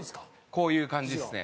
こういう感じですね。